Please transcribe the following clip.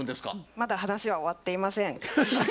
まだ話は終わっていません。